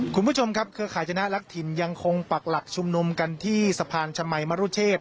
คุณผู้ชมครับเครือข่ายชนะลักถิ่นยังคงปักหลักชุมนุมกันที่สะพานชมัยมรุเชษ